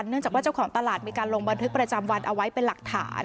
จากว่าเจ้าของตลาดมีการลงบันทึกประจำวันเอาไว้เป็นหลักฐาน